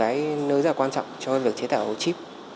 là một nơi rất là quan trọng cho việc chế tạo chip